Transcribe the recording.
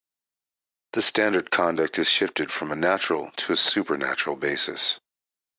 The standard conduct is shifted from a natural to a supernatural basis.